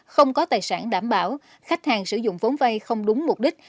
không có tài sản đảm bảo khách hàng sử dụng vốn vay không đúng mục đích